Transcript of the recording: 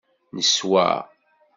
Neswa.